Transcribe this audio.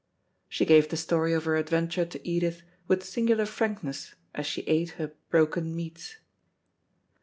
She gave the story of her adventure to Edith with singular frankness as she ate her broken meats.